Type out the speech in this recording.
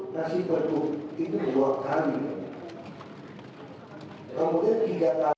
tadi pertemuan yang dalam